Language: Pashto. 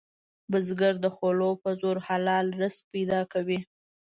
بزګر د خولو په زور حلال رزق پیدا کوي